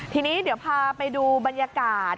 ทีนี้เดี๋ยวพาไปดูบรรยากาศ